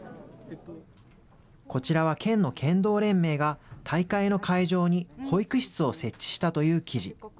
こちらは県の剣道連盟が、大会の会場に保育室を設置したという記事。